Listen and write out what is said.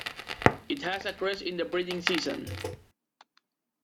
It has a crest in the breeding season.